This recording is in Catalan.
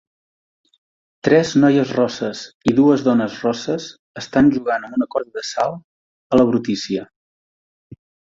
Tres noies rosses i dues dones rosses estan jugant amb una corda de salt a la brutícia